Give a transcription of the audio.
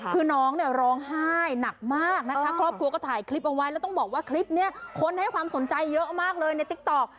คือน้องเนี่ยร้องไห้หนักมากนะคะครอบครัวก็ถ่ายคลิปเอาไว้แล้วต้องบอกว่าคลิปนี้คนให้ความสนใจเยอะมากเลยในติ๊กต๊อก